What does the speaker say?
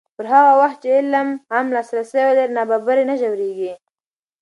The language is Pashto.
پر هغه وخت چې علم عام لاسرسی ولري، نابرابري نه ژورېږي.